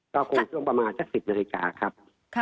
ก็คงช่วงประมาณสัก๑๐นาฬิกาครับ